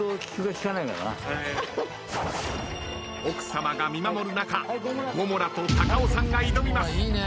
奥さまが見守る中ゴモラと孝男さんが挑みます。